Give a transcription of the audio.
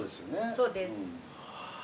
そうです。